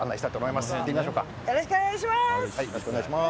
よろしくお願いします！